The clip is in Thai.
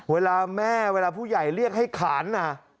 เวลาแม่เวลาผู้ใหญ่เรียกให้ขานนะ